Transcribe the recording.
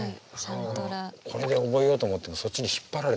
これで覚えようと思ってもそっちに引っ張られて。